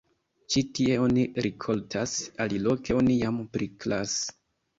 Ĉi tie oni rikoltas, aliloke oni jam priklas.